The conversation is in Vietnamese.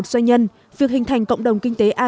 thứ nhất điều kiện cần đó chính là